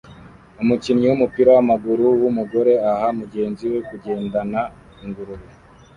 Umukinnyi wumupira wamaguru wumugore aha mugenzi we kugendana ingurube